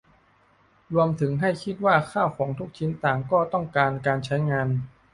รวมถึงให้คิดว่าข้าวของทุกชิ้นต่างก็ต้องการการใช้งาน